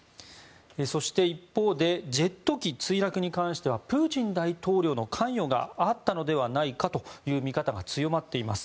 そして、一方でジェット機墜落に関してはプーチン大統領の関与があったのではないかという見方が強まっています。